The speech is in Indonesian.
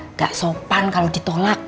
nggak sopan kalau ditolak